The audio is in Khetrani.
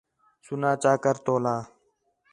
سُنّا چا کر تولا